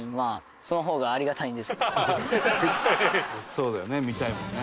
「そうだよね見たいもんね」